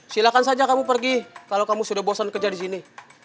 silahkan saja kamu pergi kalau kamu sudah bosan kerja di sini